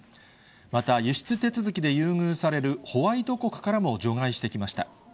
また、輸出手続きで優遇されるホワイト国からも除外してきました。